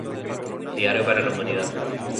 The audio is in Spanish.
Diario para la humanidad".